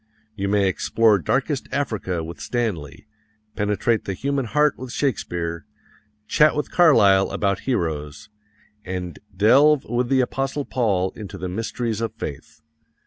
You may explore darkest Africa with Stanley, penetrate the human heart with Shakespeare, chat with Carlyle about heroes, and delve with the Apostle Paul into the mysteries of faith.